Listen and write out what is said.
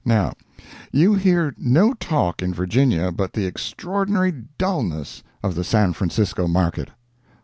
Now, you hear no talk in Virginia but the extraordinary dullness of the San Francisco market.